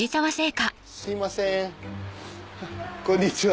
すいませんこんにちは。